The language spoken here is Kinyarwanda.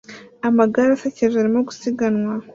Amagare asekeje arimo gusiganwa